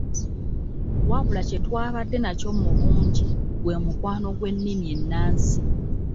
Wabula kye twabadde nakyo mu bungi gwe mukwano gw’ennimi ennansi.